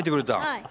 はい。